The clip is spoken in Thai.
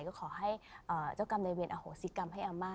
ก็ขอให้เจ้ากรรมในเวียอโหสิกรรมให้อาม่า